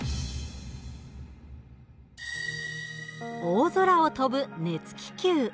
大空を飛ぶ熱気球。